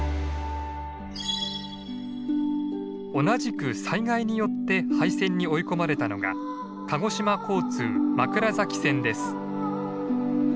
同じく災害によって廃線に追い込まれたのが鹿児島交通枕崎線です。